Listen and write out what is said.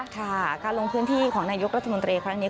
ค่ะการลงพื้นที่ของนายกรัฐมนตรีครั้งนี้